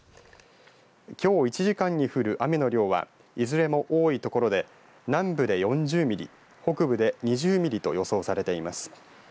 きょう１時間に降る雨の量はいずれも多い所で南部で４０ミリ北部で２０ミリと予想されています。